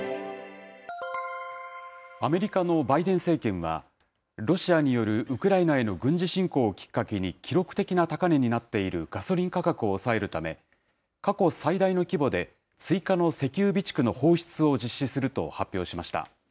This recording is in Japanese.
アメリカのバイデン政権は、ロシアによるウクライナへの軍事侵攻をきっかけに記録的な高値になっているガソリン価格を抑えるため、過去最大の規模で追加の石油備蓄の放出を実施すると発表しました。